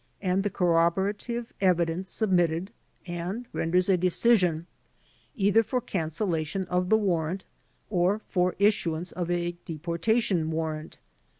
and the corroborative evidence submitted and renders a decision, either for cancellation of the ivarrant or for issuance of a deportation warrant.